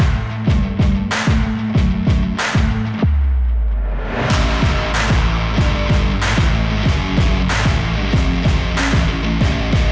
สิ่งที่เราได้ที่เปลี่ยน